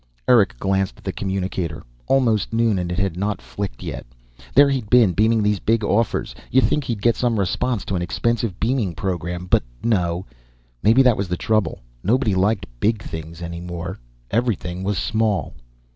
Eric glanced at the communicator. Almost noon, and it had not flicked yet. Here he'd been beaming these big offers, you'd think he'd get some response to an expensive beaming program, but no. Maybe that was the trouble nobody liked big things any more. Everything was small.